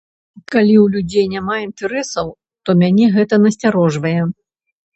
Калі ў людзей няма інтарэсаў, то мяне гэта насцярожвае.